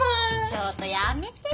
ちょっとやめてよ。